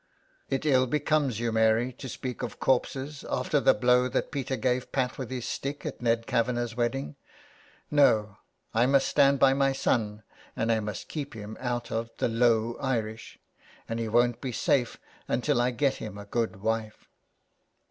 "It ill becomes you, Mary, to speak of corpses after the blow that Peter gave Pat with his stick at Ned Kavanagh's wedding. No; I must stand by my son, and I must keep him out of the low Irish, and he won't be safe until I get him a good wife."